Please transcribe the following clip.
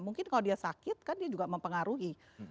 mungkin kalau dia sakit kan dia juga mempengaruhi